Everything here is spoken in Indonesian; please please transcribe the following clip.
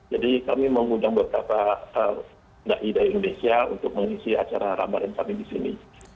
jadi kami mengundang beberapa da'idah indonesia untuk mengisi acara ramadan kami di sini